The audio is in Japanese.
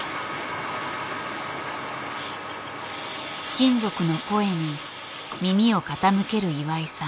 金属の声に耳を傾ける岩井さん。